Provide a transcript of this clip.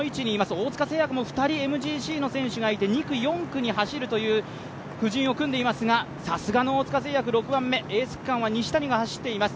大塚製薬も２人ＭＧＣの選手がいて２区、４区に入るという布陣を組んでいますが、さすがの大塚製薬、６番目エース区間は西谷が走っています。